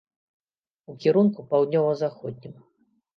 У кірунку паўднёва заходнім.